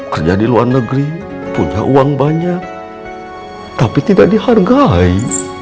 kerja di luar negeri punya uang banyak tapi tidak dihargai